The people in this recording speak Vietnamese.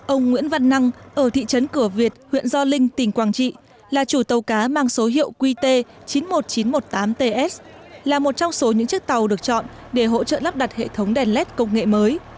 ông nguyễn văn năng ở thị trấn cửa việt huyện gio linh tỉnh quảng trị là chủ tàu cá mang số hiệu qt chín mươi một nghìn chín trăm một mươi tám ts là một trong số những chiếc tàu được chọn để hỗ trợ lắp đặt hệ thống đèn led công nghệ mới